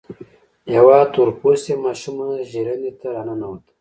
يوه تور پوستې ماشومه ژرندې ته را ننوته.